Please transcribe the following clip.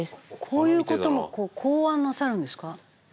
こういう事も考案なさるんですか？